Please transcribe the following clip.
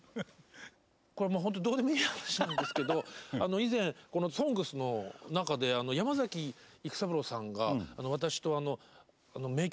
これどうでもいい話なんですけど以前「ＳＯＮＧＳ」の中で山崎育三郎さんが私と名曲